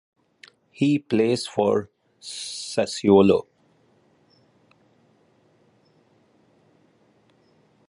He plays for Sassuolo.